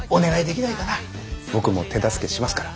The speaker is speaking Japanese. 僕も手助けしますから。